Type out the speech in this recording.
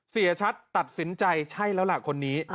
เสียชัดตัดสินใจใช่แล้วล่ะคนนี้